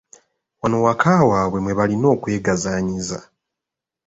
Wano waka waabwe mwe balina okwegazaanyiza .